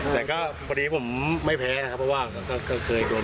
แต่ก็พอดีผมไม่แพ้นะครับเพราะว่าก็เคยโดน